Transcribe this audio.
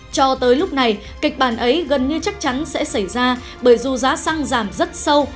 cho tới lúc này kịch bản ấy gần như chắc chắn sẽ xảy ra bởi dù giá xăng giảm rất sâu